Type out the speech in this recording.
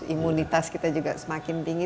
imunitas kita juga semakin tinggi